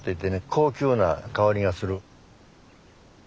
高級な香りがする。